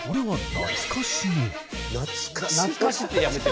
懐かしは。